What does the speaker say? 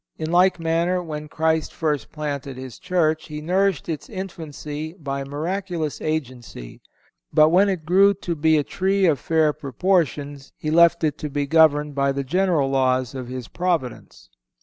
In like manner, when Christ first planted His Church He nourished its infancy by miraculous agency; but when it grew to be a tree of fair proportions He left it to be governed by the general laws of His Providence.